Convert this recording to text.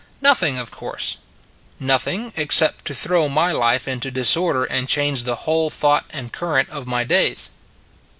Nothing, of course. Nothing ; except to throw my life into disorder, and change the whole thought and current of my days.